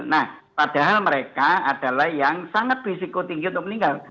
nah padahal mereka adalah yang sangat berisiko tinggi untuk meninggal